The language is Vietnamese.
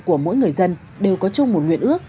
của mỗi người dân đều có chung một nguyện ước